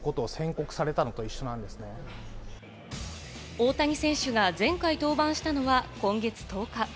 大谷選手が前回登板したのは今月１０日。